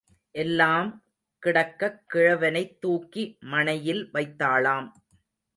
எல்லாம் கிடக்கக் கிழவனைத் தூக்கி மணையில் வைத்தாளாம்.